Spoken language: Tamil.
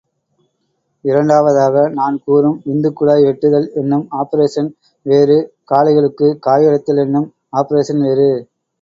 இரண்டாவதாக நான் கூறும் விந்துக்குழாய் வெட்டுதல் என்னும் ஆப்பரேஷன் வேறு, காளைகளுக்குக் காயடித்தல் என்னும் ஆப்பரேஷன் வேறு.